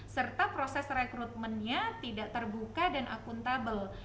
serta proses rekrutmennya tidak terbuka dan akuntabel